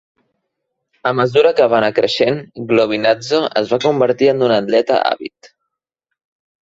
A mesura que va anar creixent, Giovinazzo es va convertir en un atleta àvid.